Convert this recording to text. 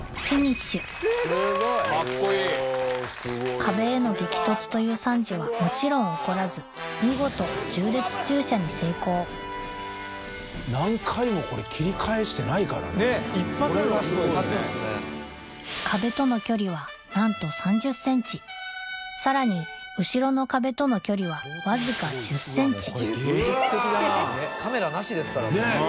壁への激突という惨事はもちろん起こらず見事縦列駐車に成功壁との距離はなんと３０ｃｍさらに後ろの壁との距離はわずか１０ｃｍカメラなしですからね。